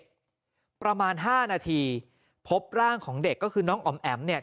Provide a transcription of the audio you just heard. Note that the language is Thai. ประมาณห้านาทีพบร่างของเด็กก็คือน้องอ๋อมแอ๋มเนี่ย